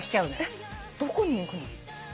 えっどこに行くの？